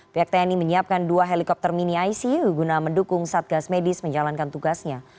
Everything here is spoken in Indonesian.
pihak tni menyiapkan dua helikopter mini icu guna mendukung satgas medis menjalankan tugasnya